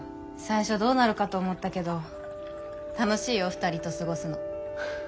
最初どうなるかと思ったけど楽しいよ２人と過ごすの。